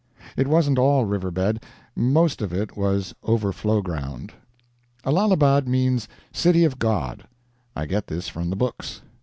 It wasn't all river bed most of it was overflow ground. Allahabad means "City of God." I get this from the books.